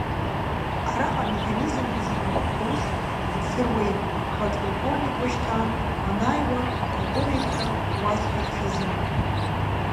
Араҟа амеханизмқәа зегьы аус дсыруеит, аподполковник, уашьҭан уанааиуа аполковник ҳәа уасҳәарц азы.